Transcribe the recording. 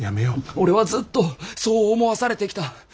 俺はずっとそう思わされてきた。